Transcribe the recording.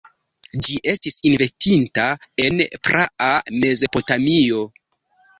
Ĝi estis inventita en praa Mezopotamio.